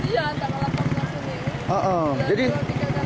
iya tidak ada penjualan